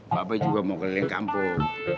bapak juga mau keliling kampung